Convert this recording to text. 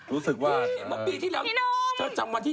อุ๊ยพี่นุมจำได้